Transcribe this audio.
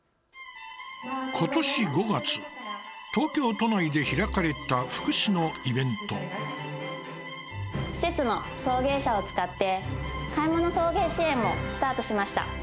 今年５月、東京都内で施設の送迎車を使って買い物送迎支援もスタートしました。